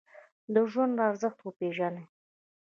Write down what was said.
د ژوند ارزښت وپیژنئ